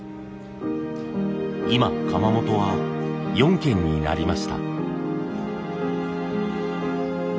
今窯元は４軒になりました。